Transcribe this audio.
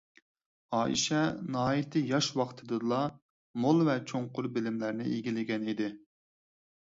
ئائىشە ناھايىتى ياش ۋاقتىدىلا مول ۋە چوڭقۇر بىلىملەرنى ئىگىلىگەن ئىدى.